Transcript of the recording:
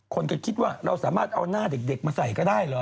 คนก็คิดว่าเราสามารถเอาหน้าเด็กมาใส่ก็ได้เหรอ